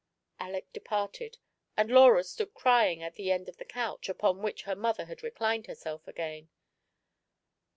'* Aleck departed, and Laura stood crying at the end of the couch, upon which her mother had reclined herself again.